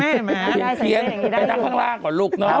เพียนเพียนเป็นนั่งข้างล่างเหรอลูกเนอะ